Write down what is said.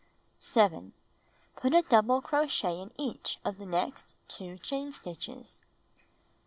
7. Put a double crochet in each of the next 2 chain stitches.